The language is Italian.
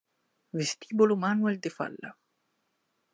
Vestibolo Manuel de Falla